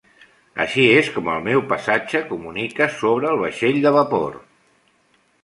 Així és com el meu passatge comunica sobre el vaixell de vapor.